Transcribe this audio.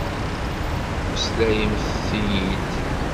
Meslayemt-iyi-d!